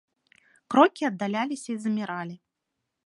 Крокі аддаляліся і заміралі.